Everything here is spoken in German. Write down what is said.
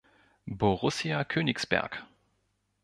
Borussia Königsberg.